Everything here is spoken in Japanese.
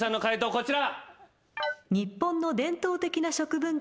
こちら。